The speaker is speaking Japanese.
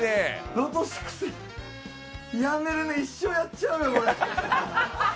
ロト６、やめられねえ、一生やっちゃうよ、これ。